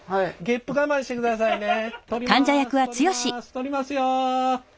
ゲップ我慢してくださいね。